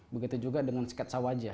begitu juga dengan sketsa wajah